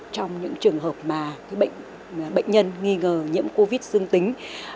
trong những trường hợp mà bệnh nhân nghi ngờ nhiễm covid dương tính